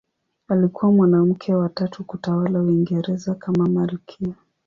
Alikuwa mwanamke wa tatu kutawala Uingereza kama malkia.